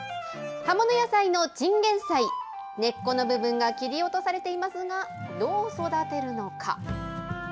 葉物野菜のチンゲン菜、根っこの部分が切り落とされていますが、どう育てるのか。